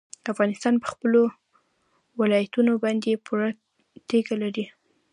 افغانستان په خپلو ولایتونو باندې پوره تکیه لري.